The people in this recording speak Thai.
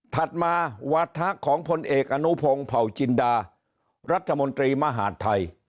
ถัดมาวาถะของพลเอกอนุพงศ์เผาจินดารัฐมนตรีมหาดไทย